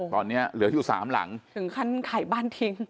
ตอนนี้เหลืออยู่๓หลังถึงขั้นขายบ้านทิ้ง